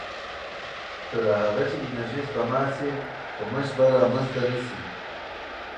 تر هغه چې انرژي سپما شي، کمښت به رامنځته نه شي.